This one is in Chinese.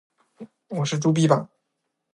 我是猪鼻吧